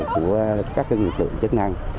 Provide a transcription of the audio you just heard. của các nguyên tượng chức năng